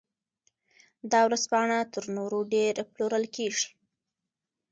دا ورځپاڼه تر نورو ډېر پلورل کیږي.